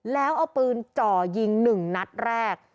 แล้วเอาปืนจ่อยิง๑นัดแรก